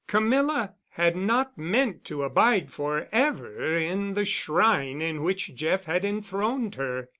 Camilla had not meant to abide forever in the shrine in which Jeff had enthroned her.